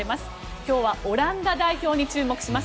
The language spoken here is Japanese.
今日はオランダ代表に注目します。